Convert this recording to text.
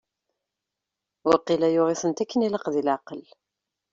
Waqila yuɣ-itent akken i ilaq deg leɛqel.